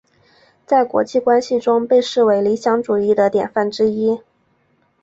在国际关系中被视为理想主义的典范之一。